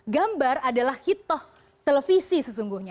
gambar adalah hitoh televisi sesungguhnya